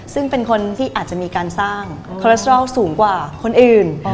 ซึ่งเป็นคนที่อาจจะมีการสร้างคอลเลสรอลสูงกว่าคนอื่น